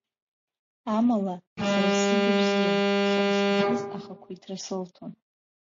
Амала, сара сзы дыбзиан, шаҟа сҭахыз ахақәиҭра сылҭон.